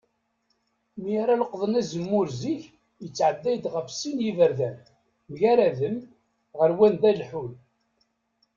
Mi ara leqḍen azemmur zik, yettεedday-d γef sin n yiberdan, mgaraden, γer wanda leḥḥun.